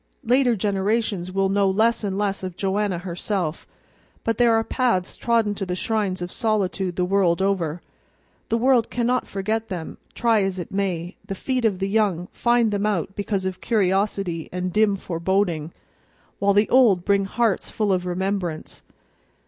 Later generations will know less and less of Joanna herself, but there are paths trodden to the shrines of solitude the world over, the world cannot forget them, try as it may; the feet of the young find them out because of curiosity and dim foreboding; while the old bring hearts full of remembrance.